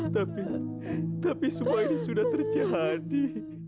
tapi tapi semua ini sudah terjadi